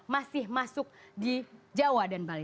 masih masuk di jawa dan bali